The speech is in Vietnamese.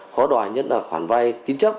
khó đòi nhất là khoản vay tín chấp